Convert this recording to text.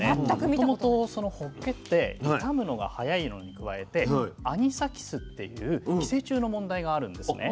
もともとそのほっけって傷むのが速いのに加えてアニサキスっていう寄生虫の問題があるんですね。